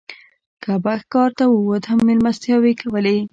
که به ښکار ته ووت هم مېلمستیاوې یې کولې.